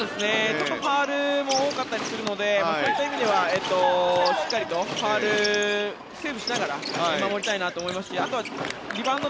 ファウルも多かったりするのでそういった意味ではしっかりとファウルセーブしながら守りたいなと思いますしあとはリバウンド